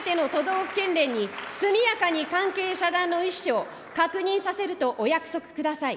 府県連に速やかに関係遮断の意思を確認させるとお約束ください。